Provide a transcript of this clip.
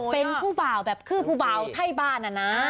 เป็นผู้บ่าวแบบคือผู้บ่าวไทยบ้านนะนะ